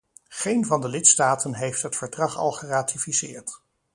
Geen van de lidstaten heeft het verdrag al geratificeerd.